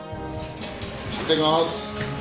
いただきます！